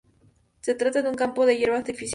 Se trata de un campo de hierba artificial.